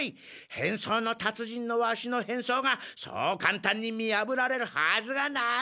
変装のたつ人のワシの変装がそうかんたんに見やぶられるはずがない！